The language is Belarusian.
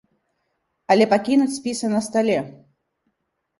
Але пакінуць спісы на стале!